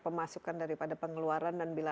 pemasukan daripada pengeluaran dan bila